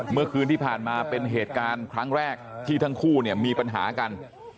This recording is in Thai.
เมื่อคืนที่ผ่านมาเป็นเหตุการณ์ครั้งแรกที่ทั้งคู่เนี่ยมีปัญหากัน